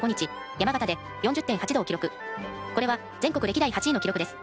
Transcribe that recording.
これは全国歴代８位の記録です。